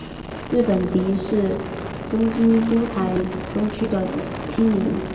日本堤是东京都台东区的町名。